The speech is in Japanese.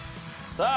さあ